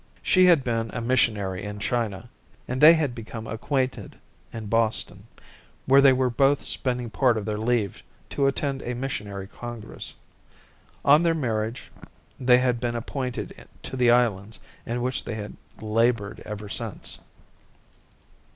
She had been a missionary in China, and they had become acquainted in Boston, where they were both spending part of their leave to attend a missionary congress. On their marriage they had been appointed to the islands in which they had laboured ever since.